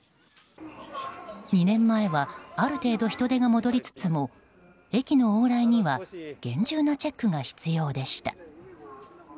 ２年前は、ある程度人出が戻りつつも駅の往来には厳重なチェックが必要でした。